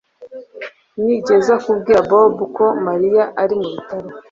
Nigeze kubwira Bobo ko Mariya ari mu bitaro